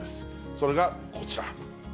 それがこちら。